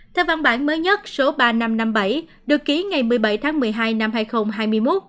theo văn bản mới nhất số ba nghìn năm trăm năm mươi bảy được ký ngày một mươi bảy tháng một mươi hai năm hai nghìn hai mươi một